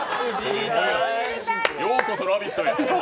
ようこそ「ラヴィット！」へ。